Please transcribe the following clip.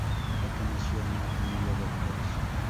Perteneció a una familia de actores.